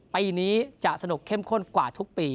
ปีนี้จะสนุกเข้มข้นกว่าทุกปี